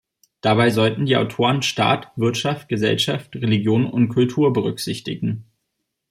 Dabei sollten die Autoren Staat, Wirtschaft, Gesellschaft, Religion und Kultur berücksichtigen.